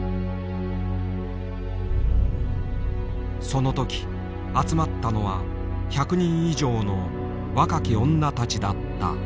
その時集まったのは１００人以上の若き女たちだった。